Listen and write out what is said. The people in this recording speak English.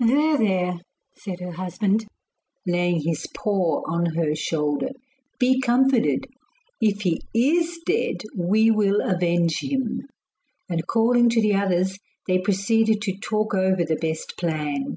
'There! there!' said her husband, laying his paw on her shoulder. 'Be comforted; if he IS dead, we will avenge him.' And calling to the others they proceeded to talk over the best plan.